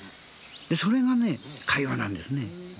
それが会話なんですね。